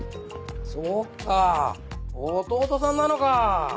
そうか弟さんなのか。